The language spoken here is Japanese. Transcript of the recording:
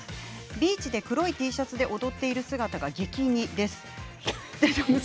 ビーチで黒いＴシャツで踊っている姿が激似です。